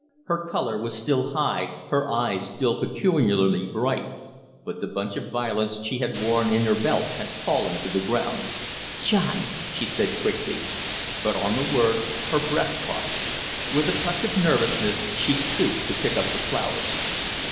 Her color was still high, her eyes still peculiarly bright, but the bunch of violets she had worn in her belt had fallen to the ground. "John " she said, quickly; but on the word her breath caught. With a touch of nervousness she stooped to pick up the flowers.